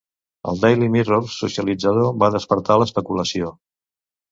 El Daily Mirror socialitzador va despertar l'especulació.